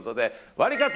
ワリカツ！